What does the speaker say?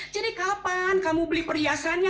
jadi kapan kamu beli perhiasannya